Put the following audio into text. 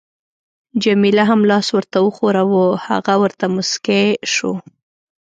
جميله هم لاس ورته وښوراوه، هغه ورته مسکی شو.